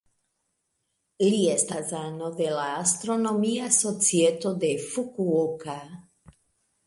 Li estas ano de la Astronomia Societo de Fukuoka.